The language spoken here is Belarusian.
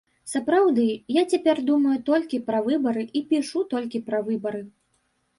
Сапраўды, я цяпер думаю толькі пра выбары і пішу толькі пра выбары.